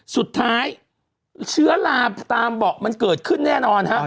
สุดท้ายเชื้อราบตามบอกมันเกิดขึ้นแน่นอนครับ